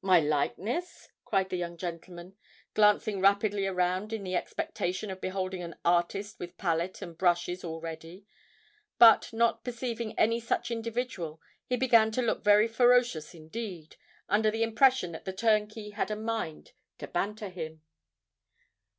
"My likeness!" cried the young gentleman, glancing rapidly around in the expectation of beholding an artist with pallet and brushes all ready; but, not perceiving any such individual, he began to look very ferocious indeed, under the impression that the turnkey had a mind to banter him.